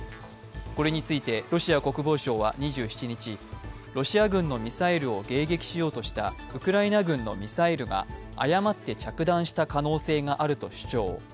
これについてロシア国防省は２７日、ロシア軍のミサイルを迎撃しようとしたウクライナ軍のミサイルが誤って着弾した可能性があると主張。